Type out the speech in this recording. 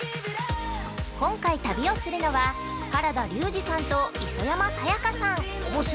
◆今回旅をするのは原田龍二さんと磯山さやかさん。